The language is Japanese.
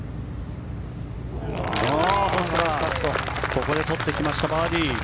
ここでとってきましたバーディー。